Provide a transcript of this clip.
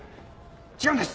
違うんです。